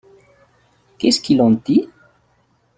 Qu’est-ce qu’il en dit?